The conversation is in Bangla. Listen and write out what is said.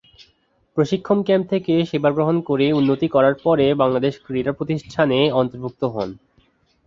প্রশিক্ষন ক্যাম্প থেকে সেবা গ্রহণ করে উন্নতি করার পরে বাংলাদেশ ক্রীড়া প্রতিষ্ঠানে অন্তর্ভুক্ত হন।